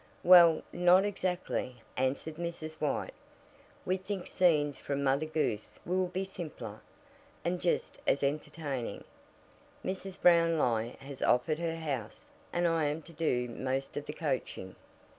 "Well, not exactly," answered Mrs. White. "We think scenes from Mother Goose will be simpler, and just as entertaining. Mrs. Brownlie has offered her house, and I am to do most of the coaching."